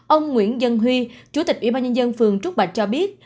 ông nguyễn dân huy chủ tịch ủy ban nhân dân phường trúc bạch cho biết